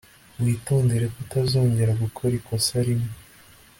Witondere ko utazongera gukora ikosa rimwe